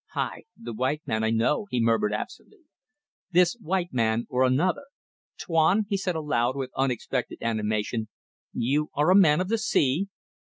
"Hai! The white man. I know!" he murmured absently. "This white man or another. ... Tuan," he said aloud with unexpected animation, "you are a man of the sea?"